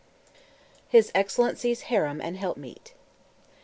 HIS EXCELLENCY'S HAREM AND HELPMEET.